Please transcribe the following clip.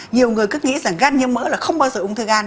nhiều người cứ nghĩ rằng gan nhiễm mỡ là không bao giờ ung thư gan